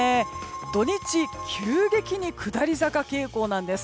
土日、急激に下り坂傾向なんです。